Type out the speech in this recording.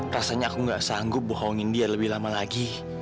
rasanya aku gak sanggup bohongin dia lebih lama lagi